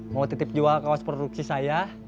mau titip jual kaos produksi saya